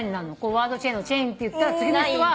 ワードチェインのチェインっていったら次の人は。